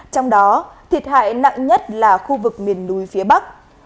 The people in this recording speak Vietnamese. trong đó thiệt hại nặng nhất là khu vực miền núi phía bắc